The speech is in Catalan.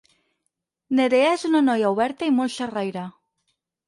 Nerea és una noia oberta i molt xerraire.